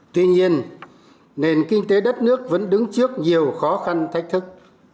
tuy nhiên nền kinh tế đất nước vẫn đứng trước nhiều khó khăn thách thức